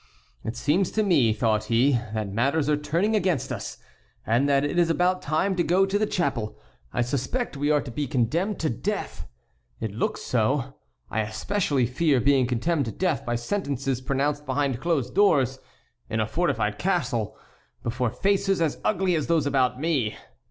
"It seems to me," thought he, "that matters are turning against us, and that it is about time to go to the chapel. I suspect we are to be condemned to death. It looks so. I especially fear being condemned to death by sentences pronounced behind closed doors, in a fortified castle, before faces as ugly as those about me.